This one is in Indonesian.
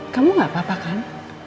kamu gak apa apa kan